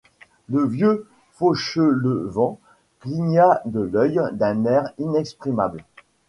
Le vieux Fauchelevent cligna de l’œil d’un air inexprimable.